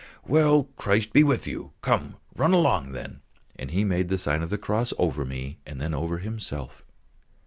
"Well, Christ be with you! Come, run along then," and he made the sign of the cross over me and then over himself.